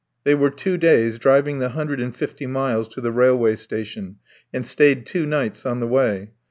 They were two days driving the hundred and fifty miles to the railway station, and stayed two nights on the way.